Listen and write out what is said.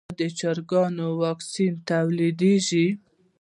آیا د چرګانو واکسین تولیدیږي؟